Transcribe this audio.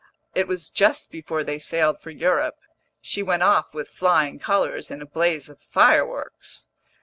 It was just before they sailed for Europe; she went off with flying colours, in a blaze of fireworks."